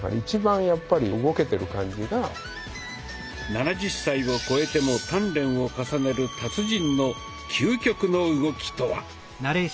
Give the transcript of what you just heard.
７０歳を超えても鍛錬を重ねる達人の究極の動きとは？